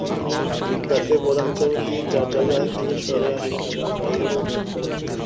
যাতে প্রধান বিচারপতি তাঁর জায়গা থেকে সরে আসেন এবং রায় পরিবর্তন করেন।